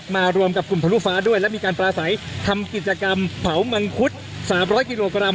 มารวมกับกลุ่มทะลุฟ้าด้วยและมีการปลาใสทำกิจกรรมเผามังคุด๓๐๐กิโลกรัม